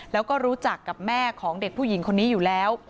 แล้วก็รู้จักกับแม่ของเด็กผู้หญิงคนนี้อยู่แล้ว